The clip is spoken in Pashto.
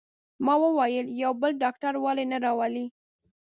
ما وویل: یو بل ډاکټر ولې نه راولئ؟